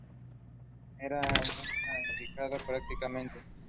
Era un anglicano practicante.